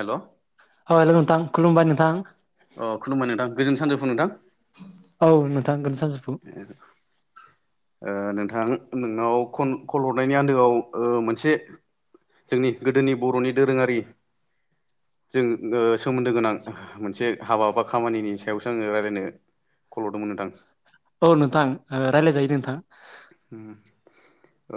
हेल' औ हेलौ नोंथां खुलुमबाय नोंथां अ खुलुमबाय नोंथां गोजोननि सानजौफुं नोंथां औ नोंथां गोजोन सानजौफु ओ नोंथां नोंनाव खन खल हरनायनि आन्दोआव मोनसे जोंनि गोदोनि बर'नि दोरोङारि जों ओ सोमोन्दो गोनां मोनसे हाबा बा खामानिनि सायावसो आङो रायजलायनो खलहरदोंमोन नोंथां औ नोंथां रायलाय जायो‌ नोंथां ओ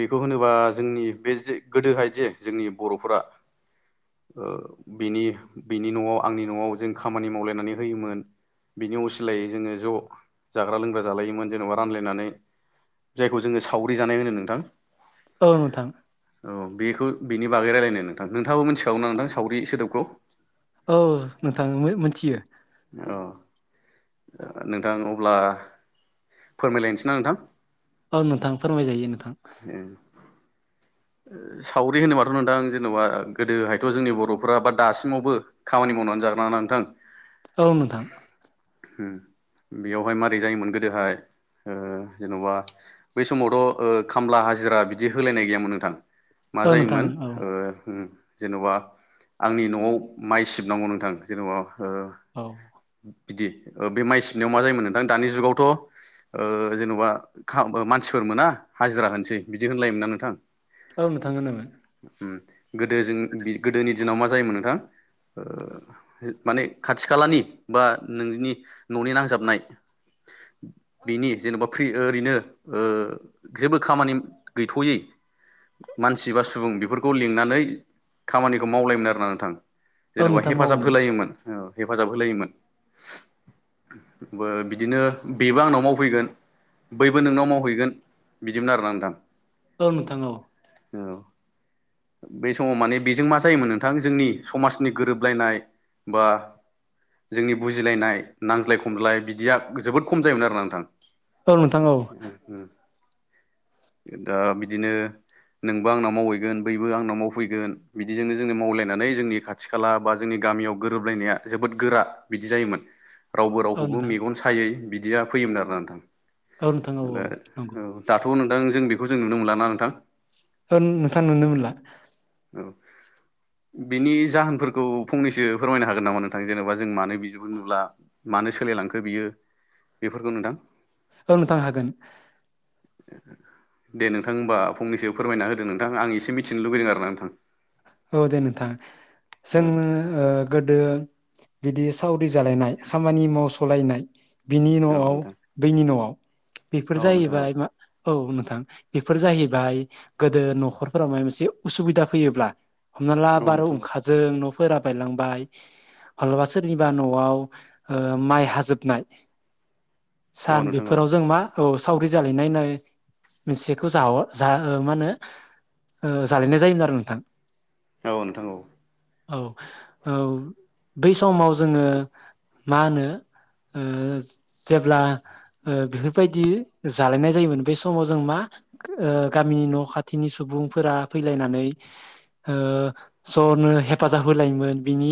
बेखौ होनोबा जोंनि बे जे गोदोहाय जे जोंनि बर'फोरा ओ बिनि बिनि न'आव आंनि न'आव जों खामानि मावलायनानै होयोमोन बिनि असिलायै जोङो ज' जाग्रा लोंग्रा जालायोमोन जेन'बा रानलायनानै जायखौ जोङो सावरि जानाय होनो नोंथां औ नोंथां औ बेखौ बिनि बागै रायजलायनो नोंथां नोंथाङाबो मिथिखागौ ना नोंथां सावरि सोदोबखौ औ नोंथां मोनथियो औ नोंथां अब्ला फोरमायलायनोसै ना नोंथां औ नोंथां फोरमायजायो नों ओं ओ सावरि होनोबाथ' नोंथां जेन'बा गोदोहायथ' जोंनि बर'फोरा बा दासिमावबो खामानि मावनानै जाग्रा ना नोंथां औ नोंथां उम बेयावहाय मारै जायोमोन गोदोहाय ओ जेन'बा बै समावथ' ओ खामला हाजिरा बिदि होलायनाय गैयामोन नोंथां मा औ नोंथां जायोमोन औ ओ हम जेन'बा आंनि न'आव माइ सिबनांगौ नोंथां जेन'बा ओ औ बिदि बे माइ सिबनायाव मा जायोमोन नोंथां दानि जुगाव थ' ओ जेन'बा मानसिफोर मोना हाजिरा होनोसै बिदि होनलायोमोन ना नोंथां औ नोंथां होनोमोन उम गोदो जों गोदोनि दिनाव मा जायोमोन नोंथां ओ माने खाथि खालानि बा नोंजिनि न'नि नांजाबनाय बेनि जेन'बा फो ओरैनो ओ जेबो खामानि गैथ'यै मानसि बा सुबुं बेफोरखौ लिंनानै खामानिखौ मावलायोमोन आरो ना नोंथां औ जेन'बा नोंथां हेफाजाब मावोमोन होलायोमोन औ हेफाजाब होलायोमोन बिदिनो बेबो आंनाव मावफैगोन बैबो नोंनाव मावहैगोन बिदिमोन आरोना नोंथां औ नोंथां औ औ बे समाव माने बेजों मा जायोमोन नोंथां जोंनि समाजनि गोरोबलायनाय बा जोंनि बुजिलायनाय नांज्लाय खमज्लाय बिदिया जोबोद खम जायोमोन आरोना नोंथां औ नोंथां औ दा बिदिनो नोंबो आंनाव मावैगोन बैबो आंनाव मावफैगोन बिदिजोंनो जोंनो मावलायनानै जोंनि खाथि खाला बा जोंनि गामियाव गोरोबलायनाया जोबोद गोरा बिदि जायोमोन रावबो औ रावखौबो नोंथां मेगन सायै बिद बिदिया फैयोमोन आरोना नोंथां औ नोंथां औ दा औ नंगौ दाथ' औ नोंथां जों बेखौ जों नुनो मोनला ना नोंथां ओ नोंथां नुनो मोनला औ बिनि जाहोनफोरखौ फंनैसो फोरमायनो हागोन नामा नोंथां जेन'बा जों मानो बिदिखौ नुला मानो सोलायलांखो बियो बेफोरखौ नोंथां औ नोंथां हागोन ओ दे नोंथां होमबा फंनैसो फोरमायना होदो नोंथां आं एसे मिथिनो लुबैदों आरो ना नोंथां औ दे नोंथां जों ओ गोदो बिदि सावरि जालायनाय खामानि मावस'लायनाय बिनि न'आव नोंथां बैनि न'आव औ बेफोर नोंथां जाहैबाय मा औ नों नोंथां‌ बेफोर जाहैबाय गोदो न'खरफोरा मायबा मोनसे उसुबिदा फैयोब्ला हमना ला औ बार' नोंथां औ हुंखाजों फोरा बायलांबाय माब्लाबा सोरनिबा न'आव ओ माइ हाजोबनाय सान औ नोंथां औ बेफोराव जों मा औ सावरि जालायनाय नाय मोनसेखौ जा मा होनो ओ जालायनाय जायोमोन आरो नोंथां औ नोंथां औ औ औ बै समाव जोङो मा होनो ओ जेब्ला ओ बेफोरबायदि जालायनाय जायोमोन बै समाव जों मा गामिनि न' खाथिनि सुबुंफोरा फैलायनानै ओ ज नो हेफाजाब होलायोमोन बिनि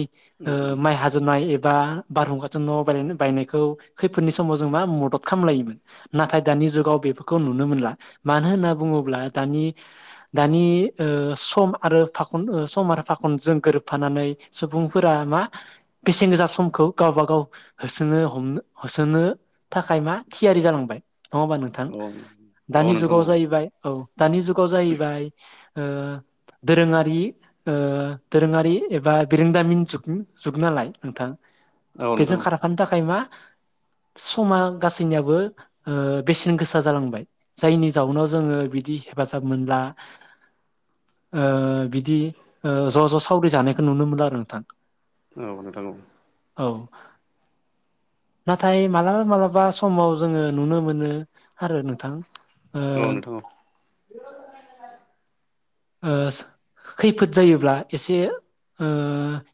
उम ओ माइ हाजोननाय एबा बारहुंगाजों न' बाय बायनायखौ खैफोदनि समाव जों मा मदद खालामलायोमोन नाथाय दानि जुगाव बेफोरखौ नुनो मोनला मानो होनना बुङोब्ला दानि दानि ओ सम आरो फाखन सम आरो फाखनजों गोरोबफानानै सुबुंफोरा मा बेसेन गोसा समखौ गावबा गाव होसोनो हमनो होसोनो थाखाय मा थियारि जालांबाय नङा हबा नोंथां उम औ औ दानि नोंथां जुगाव औ जाहैबाय औ दानि जुगाव जाहैबाय ओ दोरोङारि ओ दोरोङारि एबा बिरोंदामिन जुग नालाय नोंथां औ नोंथां बेजों औ नोंथां औ नोंथां खारफानो थाखाय मा समा गासैनियाबो ओ बेसेन गोसा जालांबाय जायनि जाउनाव जोङो बिदि हेफाजाब मोनला बिदि ओ ज' ज' सावरि जानायखौ नुनो मोनला आरो नोंथां औ नोंथां औ औ नाथाय मालाबा मालाबा समाव जोङो नुनो मोनो आरो नोंथां ओ ओ खैफोद जायोब्ला एसे ओ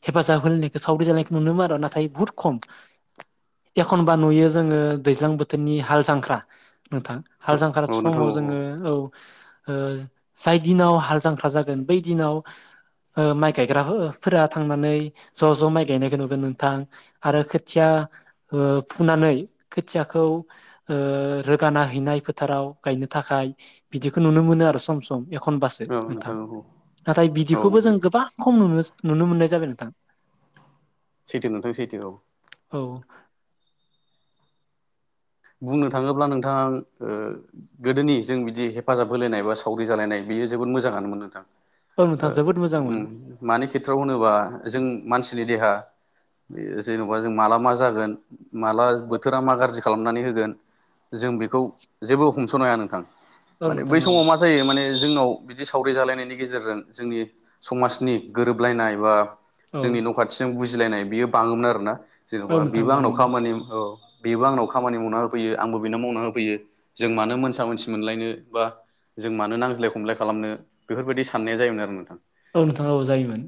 हेफाजाब होलायनायखौ सावरि जानायखौ नुनो मोन आरो नाथाय बुहुद खम एखनबा नुयो जोङो दैज्लां बोथोरनि हाल जांख्रा नोंथां हाल जांख्रार समाव जोङो औ ओ जायदिनाव हाल जांख्ला जागोन बै दिनाव ओ माइ गायग्राफोरा थांनानै ज' ज' माइ गायनायखौ नुगोन नोंथां आरो खोथिया ओ‌ फुनानै खोथियाखौ ओ रोगाना हैनाय फोथाराव गायनो थाखाय बिदिखौ नुनो मोनो आरो सम सम एखनबासो नोंथां नाथाय बिदिखौबो औ जों औ गोबां खम नुनो नुनो मोननाय जाबाय नोंथां सैथो नोंथां सैथो औ औ बुंनो थाङोब्ला नोंथाङा ओ गोदोनि जों बिदि हेफाजाब होलायनाय बा सावरि जालायनाय बियो जोबोद मोजाङानोमोन नोंथां औ ओ नोंथां जोबोद मोजांमोन उम मानि खेथ्रआव होनोबा जों मानसिनि देहा बे जेनेबा जों माला मा जागोन माला बोथोरा मा गाज्रि खालामनानै होगोन जों बेखौ जेबो हमस'नो हाया नोंथां औ माने नोंथां बै औ समाव मा जायो माने जोंनाव बिदि सावरि जालायनायनि गेजेरजों जोंनि समाजनि गोरोबलायनाय बा औ जोंनि न' खाथिजों बुजिलायनाय बियो बाङोमोन आरो ना जेन'बा औ नोंथां बेबो आंनाव बाङोमोन खामानि औ बेबो आंनाव खामानि माव मावना होफैयो आंबो बिनो मावना होफैयो जों मानो मोनसा मोनसि मोनलायनो बा जों मानो नांज्लाय खमलाय खालामनो बेफोरबायदि साननाया जायोमोन आरो नोंथां औ नोंथाङा औ जायोमोन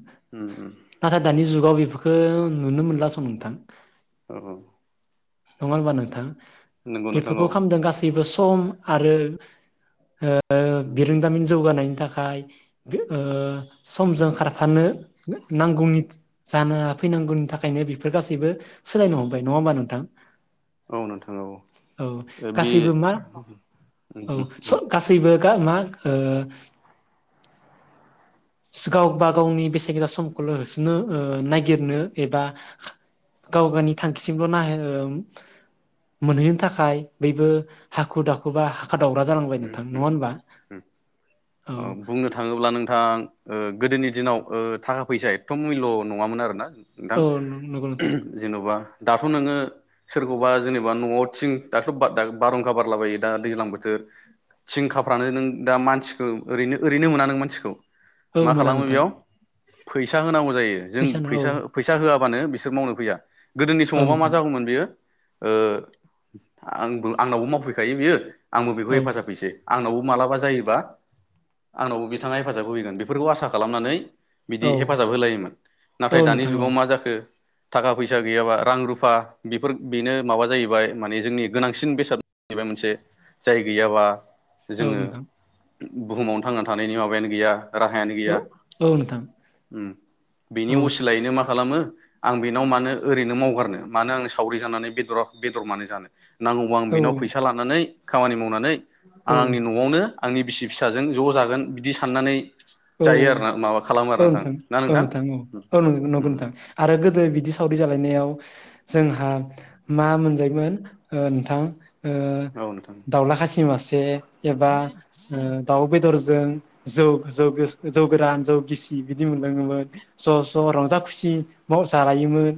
नाथाय दानि जुगाव बेफोरखौ नुनो मोनला सम नोंथां नोंथां उम औ औ नङा होनबा नोंथां नंगौ नोंथां बेफोरखौ औ खालामदों गासैबो सम आरो हो ओ उम बिरोंदामिन जौगानायनि थाखाय फ्राय ओ समजों खारफानो नांगौनि जानो फैनांगौनि थाखायनो बेफोर गासैबो सोलायनो हमबाय नङा होमबा नोंथां औ नोंथां औ औ ओ बि गासैबो मा उम उम गा मा ओ गावबा गावनि बेसे गोसा समखौल होसोनो ओ नागिरनो एबा खा गावगायनि थांखिसिमल ना मोनहैनो थाखाय बैबो हाखु दाखु बा हा उम उम‌ उम औ बुंनो थाङोब्ला नोंथां ओ गोदोनि दिनाव ओ थाखा फैसा एथ मुल्य नङामोन आरो ना नोंथां औ नंगौ नोंथां जेनबा दाथ नोङो सोरखौबा जेनेबा नआव थिं दाथ' बा बारहुंखा बारलाबायो दा दैज्लां बोथोर थिं खाफ्रानो नों दा मानसिखौ ओरैनो ओरैनो मोना नों मानसिखौ औ मा मोना खालामो नोंथां बेयाव फैसा होनांगौ जायो जों फैसा फैसा होआ- बानो बिसोर मावनो फैया गोदोनि औ समावबा मा नोंथां जागौमोन बियो ओ आंबो आंनावबो मावफैखायो बियो आंबो बेखौ औ हेफाजाब बै आंनावबो मालाबा जायोबा आंनावबो बिथाङा हेफाजाब होैगोन बेफोरखौ आसा खालामनानै बिदि औ हेफाजाब होलायोमोन नाथाय औ दानि नोंथां औ जुगाव मा जाखो थाखा फैसा गैयाबा रां रुफा बेफोर बेनो माबा जाहैबाय माने जोंनि गोनांसिन बेसाद जाहैबाय मोनसे जाय गैयाबा औ जोङो नोंथां बुहुमावनो थांना थानायनि माबायानो गैया राहायानो औ गैया औ नोंथां उम बेनि औ असिलायैनो मा खालामो आं बेनाव मानो ओरैनो मावगारनो मानो आं सावरि जानानै बेदर अ बेदर मानो जानो नांगौबा आं औ बेनाव फैसा लानानै खामानि मावनानै आं आंनि औ नआवनो आंनि बिसि फिसाजों ज' जागोन बिदि साननानै औ जायो आरोना माबा खालामो औ आरो नोंथां ना औ नोंथां औ औ नंग नंगौ नोंथां आरो गोदो बिदि सावरि जालायनायाव जोंहा मा मोनजायमोन ओ नोंथां ओ औ नोंथां दाउला खासि मासे जे एबा ओ दाउ बेदरजों जौ जौ जौ गोरान जौ गिसि बिदि मोनलोङोमोन ज' ज' रंजा खुसि माव जालायोमोन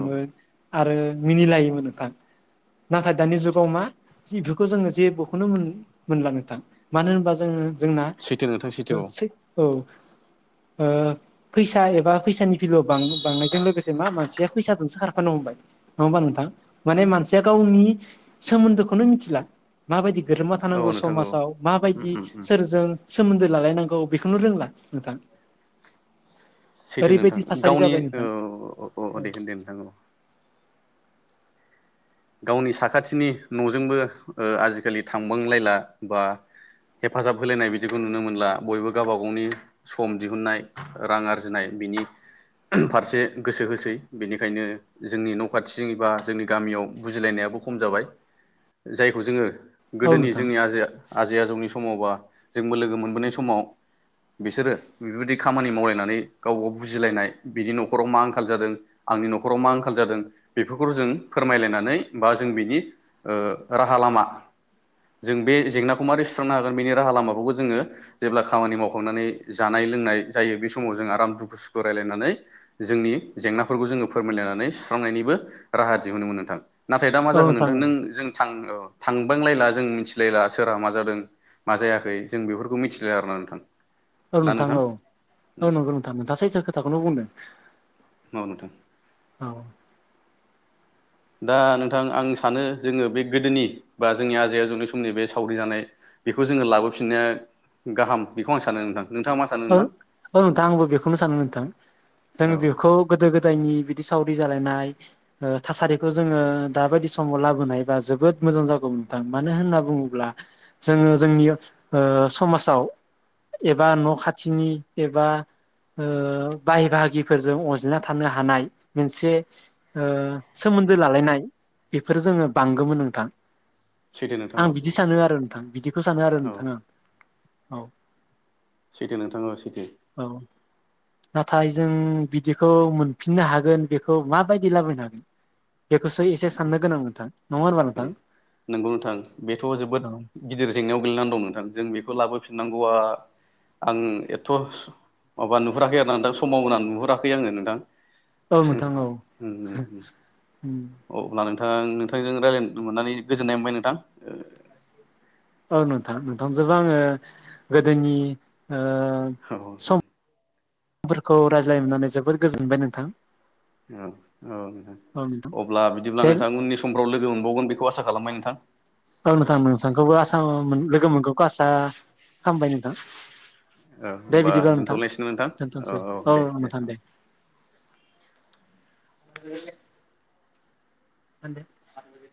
औ आरो मिनिलायोमोन नोंथां नाथाय दानि जुगाव मा जि बेफोरखौ जोङो जेबोखौनो मोनला नोंथां मानो होनबा जोङो जोंना सैथो नोंथां सै औ ओ फैसा एबा फैसानि फिलोआ बां बांनायजों लोगोसे मा मानसिया फैसाजोंसो खारखानो हमबाय नङा होमबा नोंथां? माने मानसिया गावनि सोमोन्दोखौनो मिथिला माबायदि गोरोबना औ थानांगौ नोंथां औ समाजाव उम माबायदि उम उम सोरजों सोमोनदो लालायनांगौ बेखौनो रोंला नोंथां। सैथो नोंथां ओरैबायदि थासारि गावनि जाबाय नोंथां अ दे होन दे नोंथां अ गावनि साखाथिनि न'जोंबो ओ आजिखालि थांबांलायला बा हेफाजाब होलायनाय बिदिखौ नुनो मोनला बयबो गावबा गावनि सम दिहुनन्नाय रां आरजिनाय बिनि फारसे गोसो होसै बेनिखायनो जोंनि न' खाथि बा जोंनि गामियाव बुजिलायनायाबो खम जाबाय जायखौ जोङो औ गोदोनि नोंथां जोंनि आजोआ आजै आजौनि समावबा जोंबो लोगो मोनबोनाय समाव बिसोरो बेबायदि खामानि मावलायनानै गाव गाव बुजिलायनाय बिनि न'खराव मा आंखाल जादों आंनि न'खराव मा आंखाल जादों बेफोरखौ जों फोरमायलायना नै बा जों बेनि ओ राहा लामा जों बे जेंनाखौ मारै सुस्रांनो हागोन बेनि राहा लामाबो जोङो जेब्ला खामानि मावखांनानै जानाय लोंनाय जायो बे समाव जों आराम दुखु सुखु रायलायनानै जोंनि जेंनाफोरखौ जोङो फोरमायलायनानै सुस्रांनायनिबो राहा दिहुनोमोन नोंथां। नाथाय दा मा औ जागोन नोंथां औ नों जों थां औ थांबांलायला जों मिथिलायला सोरहा मा जादों मा जायाखै जों बेफोरखौ मिथिलाया आरोना नोंथां। औ नोंथां औ औ नंगौ नोंथां नोंथाङा सैथो खोथाखौनो बुंदों। अ नोंथां औ दा नोंथां आं सानो जोङो बे गोदोनि बा जोंनि आजै आजौनि समनि बे सावरि जानाय बेखौ जोङो लाबोफिननो गाहाम बेखौ आं सानो नोंथां। नोंथाङा मा सानो औ नोंथां औ नोंथां आंबो बेखौनो सानो नोंथां जों औ बेखौ गोदो गोदायनि बिदि सावरि जालायनाय ओ थासारिखौ जोङो दाबायदि समाव लाबोनायबा जोबोद मोजां जागौमोन नोंथां मानो होनना बुङोब्ला जोङो जोंनि ओ समाजाव एबा न' खा खाथिनि एबा ओ बाय बाहागिफोरजों अनज्लायना थानो हानाय मोनसे ओ सोमोनदो लालायनाय बेफोरो जोङो बांगोमोन नोंथां। सैथो नोंथां आं औ बिदि सानो आरो नोंथां, बिदिखौ सानो आरो आं औ नोंथां। सैथो नोंथां औ सैथो औ नाथाय जों बिदिखौ मोन मोनफिननो हागोन बेखौ माबायदि लाबोनो हागोन? बेखौसो एसे साननो गोनां नोंथां। नङा होनबा औ नोंथां नंगौ नोंथां बेथ' जोबोद औ गिदिर जेंनायाव गोग्लैनानै दं नोंथां जों बेखौ लाबोफिन नांगौआ आं एथ' माबा नोहोराखै आरो ना नोंथां समाव होनानै नोहोराखै आङो नोंथां औ नोंथां औ [unintelligible] उम औ लानानै ओ नोंथांजों रायजलायनो मोननानै गोजोननाय मोनबाय नोंथां ओ औ नोंथां ओ थामजोबो आङो गोदोनि ओ ओ दे खौ रायज्लायनानै जोबोद गोजोनबाय नोंथां औ औ नोंथां औ नोंथां अब्ला बिदिब्ला दे नोंथां उननि समफ्राव लोगो मोनबावगोन बेखौ आसा खालामबाय नोंथां औ नोंथां नोंथांखौबो आसाम लोगो मोनगौखौ आसा हामबाय नोंथां औ दे होमबा बिदिब्ला नोंथां दोन्थ'लायसै नामा नोंथां दोनथ'सै औ औ दे दे नोंथां [unintelligible] [unintelligible]